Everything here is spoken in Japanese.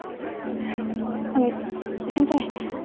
あの先輩。